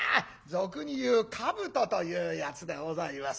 俗に言うかぶとというやつでございます。